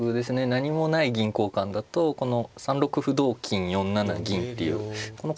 何もない銀交換だとこの３六歩同金４七銀っていうこの形が厳しいので。